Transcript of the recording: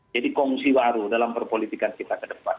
jadi kongsi waru dalam perpolitik kita ke depan